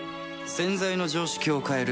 洗剤の常識を変える